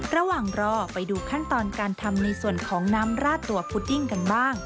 ระหว่างรอไปดูขั้นตอนการทำในส่วนของน้ำราดตัวพุดดิ้งกันบ้าง